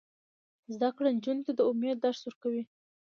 زده کړه نجونو ته د امید درس ورکوي.